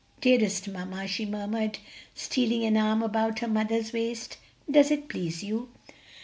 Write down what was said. "Dearest mamma," she murmured, stealing an arm about her mother's waist, "does it please you?"